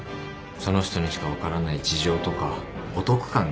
その人にしか分からない事情とかお得感があるんですよ。